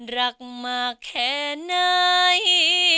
รักมากแค่ไหน